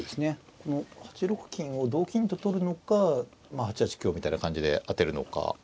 この８六金を同金と取るのか８八香みたいな感じで当てるのか